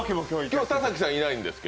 今日は田崎さんいないんですが。